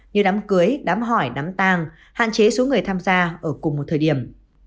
như đám cưới đám hỏi đám tàng hạn chế số người tham gia ở cùng một thời điểm